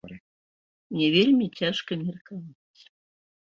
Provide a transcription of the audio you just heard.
Мне вельмі цяжка меркаваць.